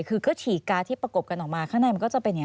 คือก็ฉีกการ์ดที่ประกบกันออกมาข้างในมันก็จะเป็นอย่างนี้